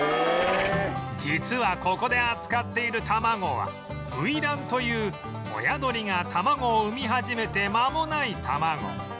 実はここで扱っている卵は初卵という親鳥が卵を産み始めて間もない卵